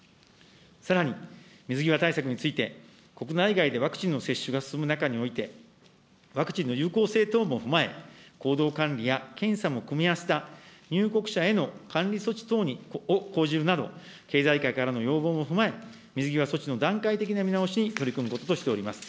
さらに、水際対策について、国内外でワクチンの接種が進む中において、ワクチンの有効性等も踏まえ、行動管理や検査も組み合わせた入国者への管理措置等を講じるなど、経済界からの要望も踏まえ、水際措置の段階的な見直しに取り組むこととしております。